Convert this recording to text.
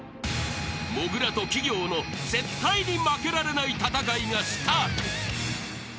［もぐらと企業の絶対に負けられない戦いがスタート］